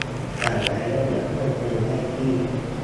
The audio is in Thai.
อ่านรายละเอียดเพิ่มเติมได้ที่